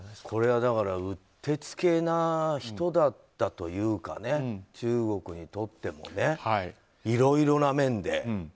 これはうってつけな人だったというか中国にとってもねいろいろな面で。